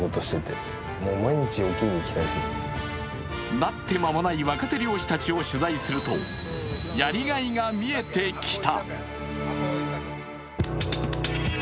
なって間もない若手漁師たちを取材するとやりがいが見えてきた。